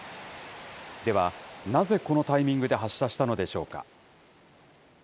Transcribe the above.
では、なぜこのタイミングで発射したのでしょうか。